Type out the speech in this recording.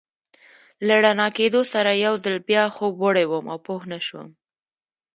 له رڼا کېدو سره یو ځل بیا خوب وړی وم او پوه نه شوم.